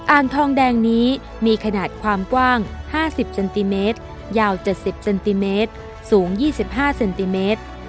อ่างทองแดงนี้มีขนาดความกว้าง๕๐เซนติเมตรยาว๗๐เซนติเมตรสูง๒๕เซนติเมตร